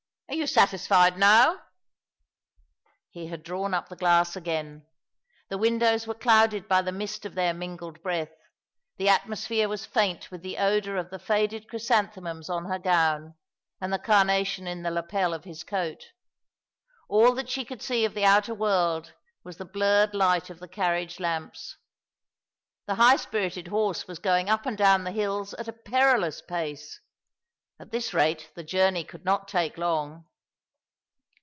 Are you satisfied now ?" He had drawn up the glass again. The windows were clouded by the mist of their mingled breath ; the atmosphere was faint with the odour of the faded chrysanthemums on her gown and the carnation in the lapel of his coat. All that she could see of the outer world was the blurred light of the carriage lamps. The high spirited horse was going up and down the hills at a perilous pace. At this rate the journey could not take long.